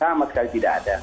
sama sekali tidak ada